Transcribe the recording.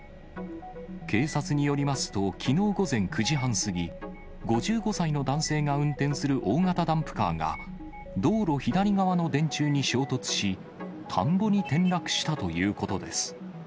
警察によりますと、きのう午前９時半過ぎ、５５歳の男性が運転する大型ダンプカーが、道路左側の電柱に衝突し、田んぼに転落したということです。